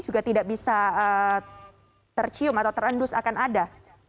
juga tidak bisa tercium atau terendus akan ada